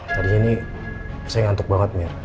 tadinya nih saya ngantuk banget mir